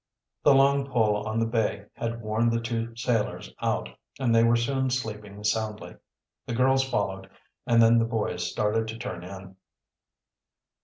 The long pull on the bay had worn the two sailors out, and they were soon sleeping soundly. The girls followed, and then the boys started to turn in.